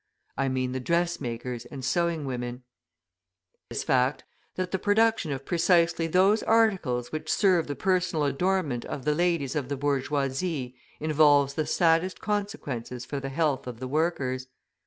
I mean the dressmakers and sewing women. It is a curious fact that the production of precisely those articles which serve the personal adornment of the ladies of the bourgeoisie involves the saddest consequences for the health of the workers.